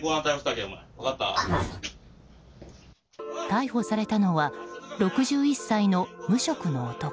逮捕されたのは６１歳の無職の男。